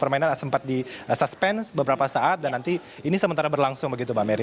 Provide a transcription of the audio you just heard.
permainan sempat di suspend beberapa saat dan nanti ini sementara berlangsung begitu mbak mery